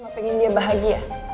aku pengen dia bahagia